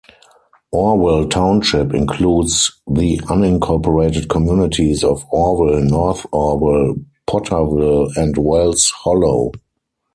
Orwell Township includes the unincorporated communities of Orwell, North Orwell, Potterville, and Wells Hollow.